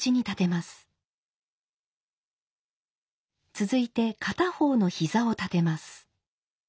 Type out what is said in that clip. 続いて片方の膝を立てます。